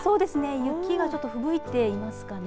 雪がちょっとふぶいていますね。